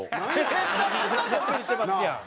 めちゃくちゃのんびりしてますやん。